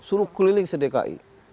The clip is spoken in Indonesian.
suruh keliling sedekai